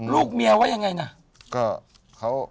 ลูกเมียว่ายังไงนะ